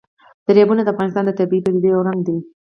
دریابونه د افغانستان د طبیعي پدیدو یو رنګ دی.